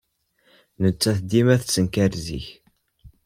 Nettat dima tettenkar zik.